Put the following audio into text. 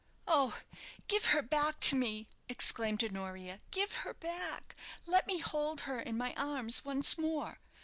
"Oh, give her back to me!" exclaimed Honoria; "give her back! Let me hold her in my arms once more.